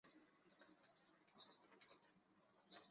协方差在概率论和统计学中用于衡量两个变量的总体误差。